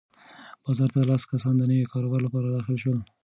بازار ته لس کسان د نوي کاروبار لپاره داخل شول.